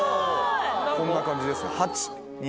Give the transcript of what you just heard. こんな感じですね